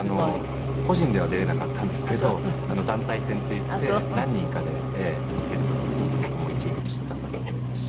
個人では出られなかったんですけど団体戦っていって何人かで出る時に僕も一員として出させてもらいました。